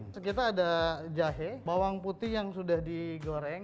terus kita ada jahe bawang putih yang sudah digoreng